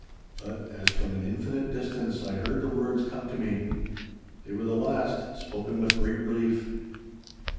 But, as from an infinite distance I heard the words come to me. They were the last, spoken with great relief.